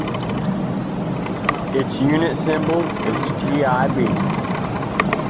Its unit symbol is TiB.